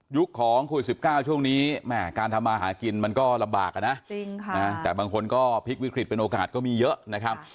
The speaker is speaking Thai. ของโควิด๑๙ช่วงนี้แม่การทำมาหากินมันก็ลำบากอะนะแต่บางคนก็พลิกวิกฤตเป็นโอกาสก็มีเยอะนะครับ